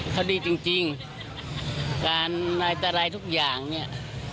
เขาดีจริงการอะไรตรายทุกอย่างเนี่ย